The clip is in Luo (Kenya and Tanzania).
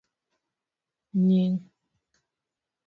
Nying'.